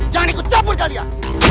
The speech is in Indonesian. jangan ikut caput kalian